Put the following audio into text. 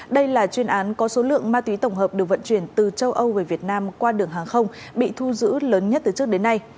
đây là chuyên án có số lượng ma túy tổng hợp được vận chuyển từ châu âu về việt nam qua đường hàng không bị thu giữ lớn nhất từ trước đến nay